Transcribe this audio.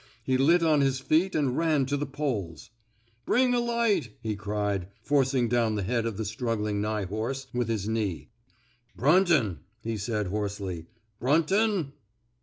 He lit on his feet and ran to the poles. ^* Bring a light," he cried, forcing down the head of the struggling nigh horse with his knee. Bnmton? " he said, hoarsely. '' Brunton?